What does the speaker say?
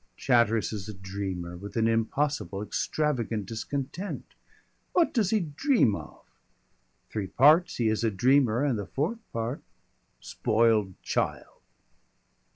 "Chatteris is a dreamer, with an impossible, extravagant discontent. What does he dream of?... Three parts he is a dreamer and the fourth part spoiled child."